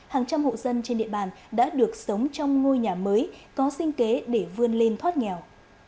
hàng trăm hộ dân trên địa bàn đã được sống trong ngôi nhà mới có sinh kế để vươn lên thoát nghèo